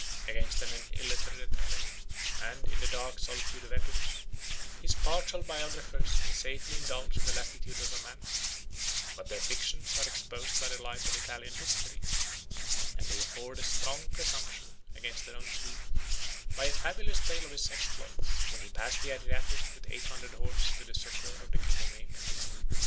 Against an illiterate enemy, and in the dark solitude of Epirus, his partial biographers may safely indulge the latitude of romance: but their fictions are exposed by the light of Italian history; and they afford a strong presumption against their own truth, by a fabulous tale of his exploits, when he passed the Adriatic with eight hundred horse to the succor of the king of Naples.